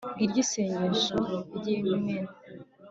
ngiryo isengesho ry'imena